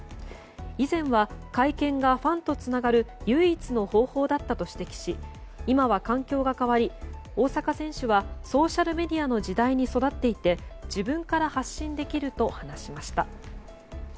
以前は会見がファンとつながる唯一の方法だったと指摘し今は環境が変わり大坂選手はソーシャルメディアの時代に育っていて自分から発信できると話しました。